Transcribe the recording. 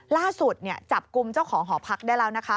ล่าสุดจับกลุ่มเจ้าของหอพักได้แล้วนะคะ